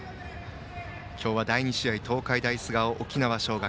今日は第２試合東海大菅生、沖縄尚学。